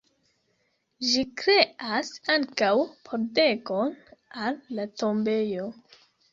Ĝi kreas ankaŭ pordegon al la tombejo.